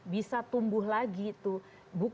bisa tumbuh lagi itu